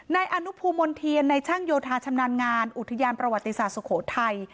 นายอนุภูมิมนเทียนในช่างโยธาชำนาญงานอุทยานประวัติศาสตร์สุโขทัย